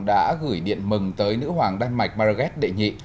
đã gửi điện mừng tới nữ hoàng đan mạch maraget đệ nhị